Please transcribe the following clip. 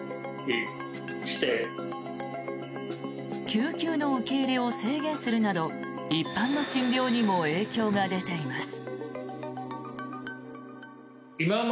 救急の受け入れを制限するなど一般の診療にも影響が出ています。